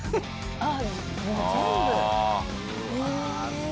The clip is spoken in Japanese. ああ。